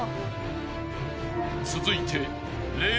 ［続いて］